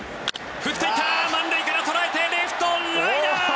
振っていった満塁から捉えてレフトライナー！